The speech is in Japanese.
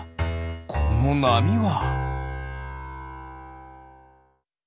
このなみは？